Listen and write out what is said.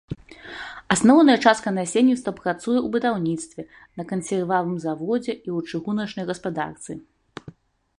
Асноўная частка насельніцтва працуе ў будаўніцтве, на кансервавым заводзе і ў чыгуначнай гаспадарцы.